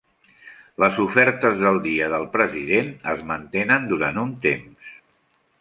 Les ofertes del Dia del President es mantenen durant un temps.